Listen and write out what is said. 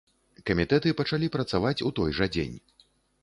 Камітэты пачалі працаваць у той жа дзень.